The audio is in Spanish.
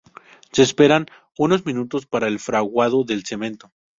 Se esperan unos minutos para el fraguado del cemento.